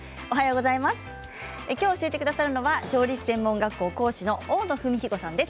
きょう教えてくださるのは調理師専門学校講師の大野文彦さんです。